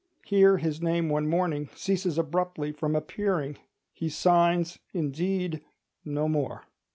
Here his name one morning ceases abruptly from appearing; he signs, indeed, no more.